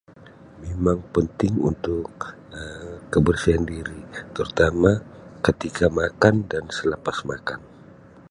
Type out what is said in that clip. Memang penting untuk Um kebersihan diri terutama ketika makan dan selepas makan.